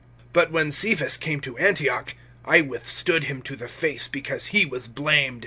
(11)But when Cephas came to Antioch, I withstood him to the face, because he was blamed.